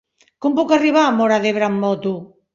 Com puc arribar a Móra d'Ebre amb moto?